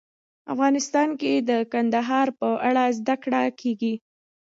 افغانستان کې د کندهار په اړه زده کړه کېږي.